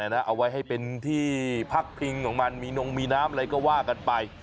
เอาไว้ให้เป็นที่พักพิงของมันมีนงมีน้ำอะไรก็ว่ากันไป